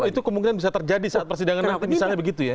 itu kemungkinan bisa terjadi saat persidangan nanti misalnya begitu ya